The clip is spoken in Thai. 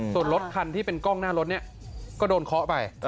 ส่วนรถคันที่เป็นกล้องหน้ารถเนี่ยก็โดนเคาะไป